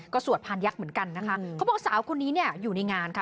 ก็สวดพานยักษ์เหมือนกันนะคะเขาบอกสาวคนนี้เนี่ยอยู่ในงานค่ะ